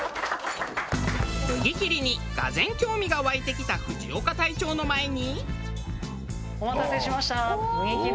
麦切りに俄然興味が湧いてきた藤岡隊長の前に。